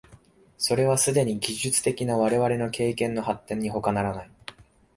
それはすでに技術的な我々の経験の発展にほかならない。